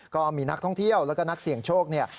ก็มีนักท่องเที่ยวแล้วก็นักเสี่ยงโชคเนี่ย